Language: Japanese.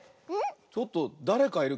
ちょっとだれかいる。